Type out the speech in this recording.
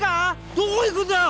どこ行くんだよ！